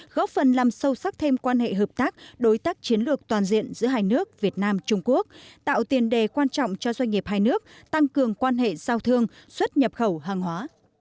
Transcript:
góp phần làm sâu sắc thêm quan hệ hợp tác đối tác chiến lược toàn diện giữa hai nước việt nam trung quốc tạo tiền đề quan trọng cho doanh nghiệp hai nước tăng cường quan hệ giao thương xuất nhập khẩu hàng hóa